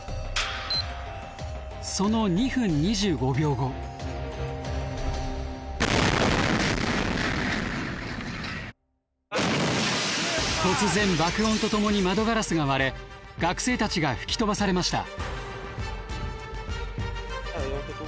その突然爆音とともに窓ガラスが割れ学生たちが吹き飛ばされました。